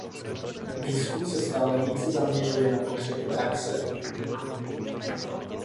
Výzkum se stále více zaměřuje na potřeby praxe.